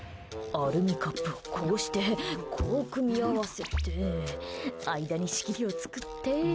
アルミカップをこうしてこう組み合わせて間に仕切りを作って。